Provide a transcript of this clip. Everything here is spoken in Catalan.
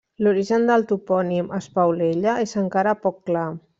L'origen del topònim Espaulella és encara poc clar.